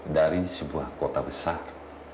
dari sebuah kota besar